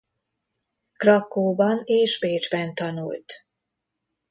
Krakkóban és Bécsben tanult.